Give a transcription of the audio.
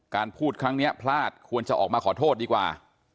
พูดครั้งนี้พลาดควรจะออกมาขอโทษดีกว่า